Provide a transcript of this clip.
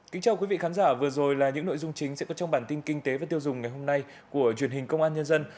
kính chào quý vị khán giả vừa rồi là những nội dung chính sẽ có trong bản tin kinh tế và tiêu dùng ngày hôm nay của truyền hình công an nhân dân